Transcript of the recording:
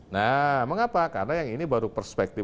nah mengapa karena yang ini baru perspektif